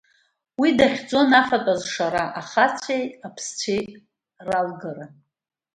Уи дахьӡон афатә азшара, ахәцәеи аԥсцәеи ралгара.